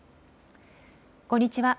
こんにちは。